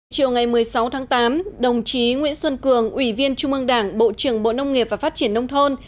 chiều ngày một mươi sáu tháng tám đồng chí nguyễn xuân cường ủy viên trung ương đảng bộ trưởng bộ nông nghiệp và phát triển nông thôn